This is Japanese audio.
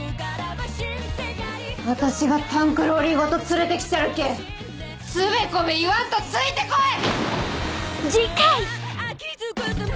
私がタンクローリーごと連れて来ちゃるけぇつべこべ言わんとついて来い！